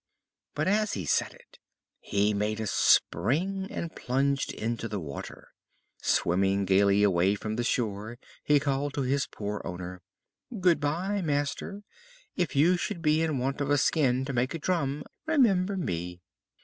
But as he said it he made a spring and plunged into the water. Swimming gaily away from the shore, he called to his poor owner: "Good bye, master; if you should be in want of a skin to make a drum, remember me."